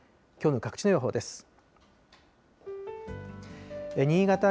きょうの各地の予報です。